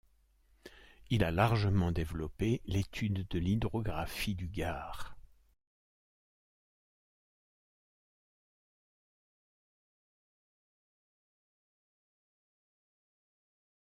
Il a largement développé l’étude de l’hydrographie du Gard.